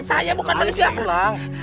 saya bukan manusia